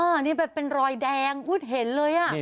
อ่านี่แบบเป็นรอยแดงพูดเห็นเลยอ่ะ